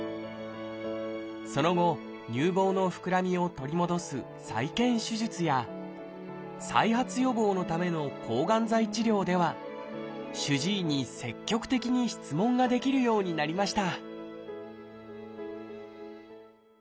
その後乳房の膨らみを取り戻す再建手術や再発予防のための抗がん剤治療では主治医に積極的に質問ができるようになりました